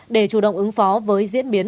để chủ động ứng phó với diễn biến